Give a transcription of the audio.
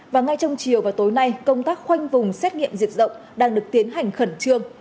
và ngay trong chiều và tối nay công tác khoanh vùng xét nghiệm diệt rộng đang được tiến hành khẩn trương